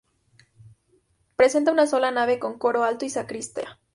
Presenta una sola nave con coro alto y sacristía.